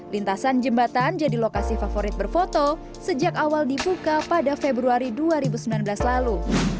lintasan jembatan jadi lokasi favorit berfoto sejak awal dibuka pada februari dua ribu sembilan belas lalu